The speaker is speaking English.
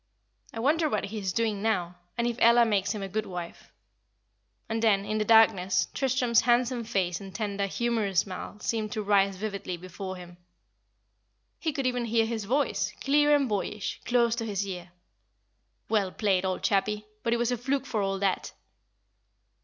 "I wonder what he is doing now, and if Ella makes him a good wife." And then, in the darkness, Tristram's handsome face and tender, humourous smile seemed to rise vividly before him. He could even hear his voice, clear and boyish, close to his ear "Well played, old chappie but it was a fluke for all that!''